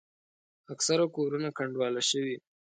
اکثره کورونه کنډواله شوي.